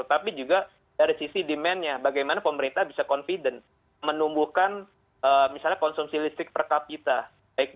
tapi juga dari sisi demandnya bagaimana pemerintah bisa confident menumbuhkan misalnya konsumsi listrik per kapita